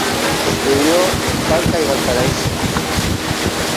Estudió en Talca y Valparaíso.